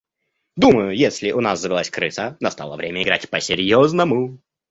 Думаю, если у нас завелась крыса, настало время играть по-серьезному.